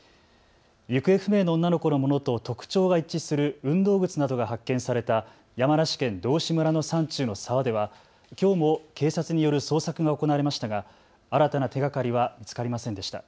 行方不明の女の子のものと特徴が一致する運動靴などが発見された山梨県道志村の山中の沢ではきょうも警察による捜索が行われましたが新たな手がかりは見つかりませんでした。